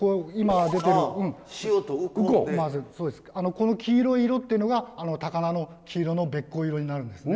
この黄色い色っていうのが高菜の黄色のべっ甲色になるんですね。